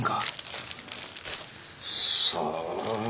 さあ。